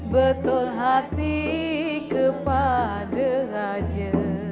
betul hati kepada raja